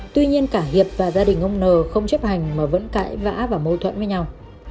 tuy nhiên cả hiệp và gia đình ông n không chấp hành mà vẫn cãi vã và mâu thuẫn với nhau